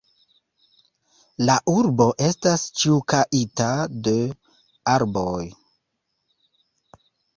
La urbo estas ĉirkaŭita de arbaroj.